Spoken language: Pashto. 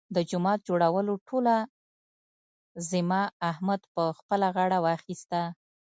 د جومات جوړولو ټوله ذمه احمد په خپله غاړه واخیستله.